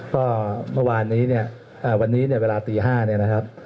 ก็เมื่อวานนี้เนี่ยวันนี้เนี่ยเวลาตี๕เนี่ยนะครับ